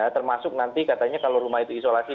termasuk nanti katanya kalau rumah itu isolasi